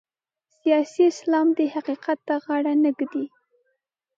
سیاسي اسلام دې حقیقت ته غاړه نه ږدي.